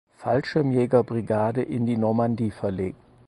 Fallschirmjägerbrigade in die Normandie verlegt.